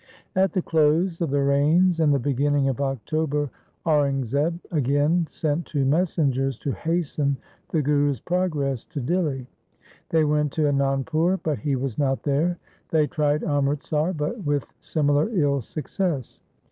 At the close of the rains in the beginning of October Aurangzeb again sent two messengers to hasten the Guru's progress to Dihli. They went to Anandpur, but he was not there. They tried Amritsar but with similar ill success.